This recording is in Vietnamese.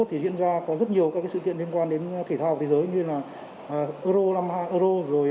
thì diễn ra có rất nhiều sự kiện liên quan đến thể thao thế giới như euro